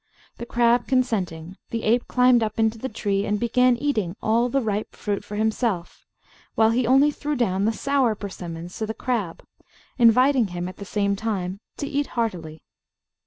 The crab consenting, the ape climbed up into the tree, and began eating all the ripe fruit himself, while he only threw down the sour persimmons to the crab, inviting him, at the same time, to eat heartily.